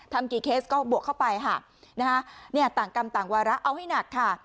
ทำกี่เคสก็บวกเข้าไปต่างกรรมต่างวาระเอาให้หนักค่ะ